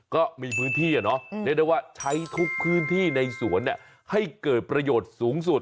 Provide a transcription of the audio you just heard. ก็มีพื้นที่เรียกได้ว่าใช้ทุกพื้นที่ในสวนให้เกิดประโยชน์สูงสุด